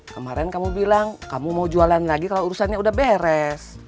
kemarin kamu bilang kamu mau jualan lagi kalau urusannya udah beres